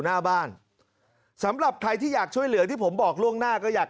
หน้าบ้านสำหรับใครที่อยากช่วยเหลือที่ผมบอกล่วงหน้าก็อยาก